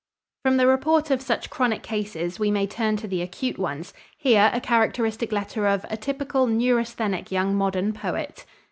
From the report of such chronic cases we may turn to the acute ones. Here a characteristic letter of, a typical neurasthenic young modern poet.